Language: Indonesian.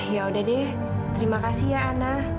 yaudah deh terima kasih ya ana